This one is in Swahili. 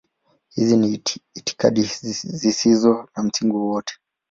Hizi ni itikadi zisizo na msingi wowote.